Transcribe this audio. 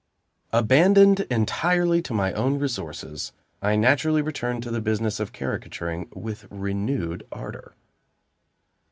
Abandoned entirely to my own resources, I naturally returned to the business of caricaturing with renewed ardor.